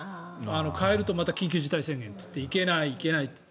変えるとまた緊急事態宣言っていって行けない、行けないって。